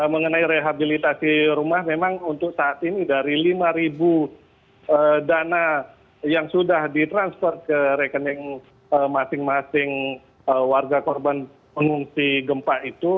mengenai rehabilitasi rumah memang untuk saat ini dari lima dana yang sudah ditransfer ke rekening masing masing warga korban pengungsi gempa itu